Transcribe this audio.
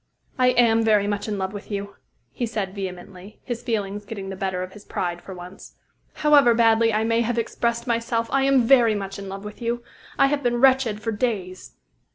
"I am very much in love with you," he said vehemently, his feelings getting the better of his pride for once. "However badly I may have expressed myself, I am very much in love with you. I have been wretched for days."